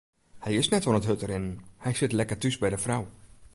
Hy is net oan it hurdrinnen, hy sit lekker thús by de frou.